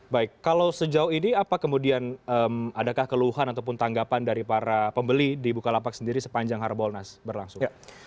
baik kalau sejauh ini apa kemudian adakah keluhan ataupun tanggapan dari para pembeli di bukalapak sendiri sepanjang harbolnas berlangsung